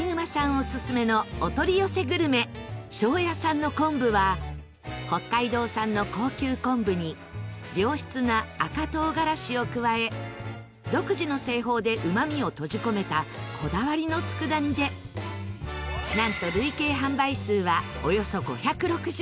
オススメのお取り寄せグルメ庄屋さんの昆布は北海道産の高級昆布に良質な赤唐辛子を加え独自の製法でうまみを閉じ込めたこだわりの佃煮でなんと累計販売数はおよそ５６０万個。